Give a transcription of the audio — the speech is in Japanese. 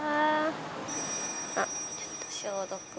あっちょっと消毒を。